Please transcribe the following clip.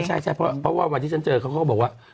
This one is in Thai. ใช่เพราะว่าวันที่ฉันเจอเขาก็บอกว่า